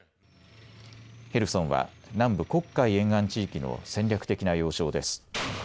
ヘルソンは南部、黒海沿岸地域の戦略的な要衝です。